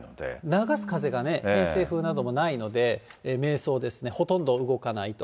流す風がね、偏西風などもないので、迷走ですね、ほとんど動かないと。